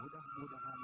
dan makhluk tuhan